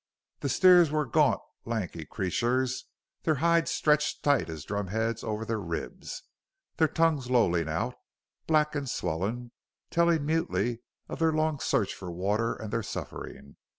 The steers were gaunt, lanky creatures, their hides stretched tight as drum heads over their ribs, their tongues lolling out, black and swollen, telling mutely of their long search for water and their suffering.